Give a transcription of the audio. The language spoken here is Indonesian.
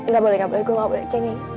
gak boleh gak boleh gue gak boleh cengeng